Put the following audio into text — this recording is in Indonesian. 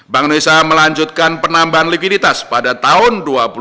bank indonesia melanjutkan penambahan likuiditas pada tahun dua ribu dua puluh